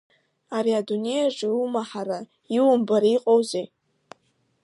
Ари адунеи аҿы иумаҳара, иумбара иҟоузеи!